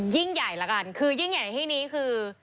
ยิ่งใหญ่แล้วกันคือยิ่งใหญ่ที่นี้คือ